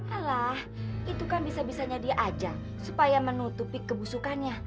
alah itu kan bisa bisanya diajak supaya menutupi kebusukannya